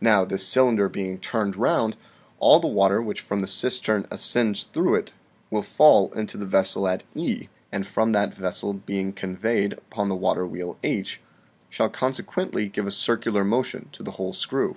Now, this cylinder being turned round, all the water which from the cistern ascends through it, will fall into the vessel at E, and from that vessel being conveyed upon the waterwheel H, shall conse quently give a circular motion to the whole screw.